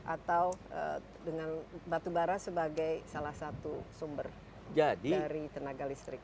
atau dengan batubara sebagai salah satu sumber dari tenaga listrik